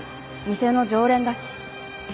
店の常連だし。